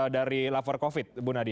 dari lapor covid bu nadia